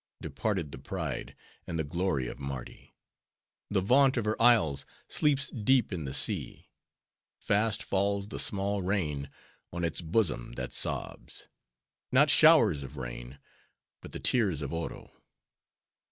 — Departed the pride, and the glory of Mardi: The vaunt of her isles sleeps deep in the sea. Fast falls the small rain on its bosom that sobs.— Not showers of rain, but the tears of Oro.